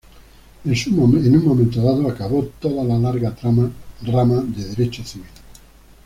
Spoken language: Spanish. En un momento dado acabó toda la larga rama de derecho civil.